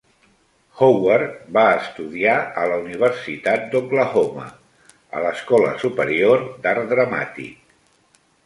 Howard va estudiar a la Universitat d'Oklahoma, a l'escola superior d'art dramàtic.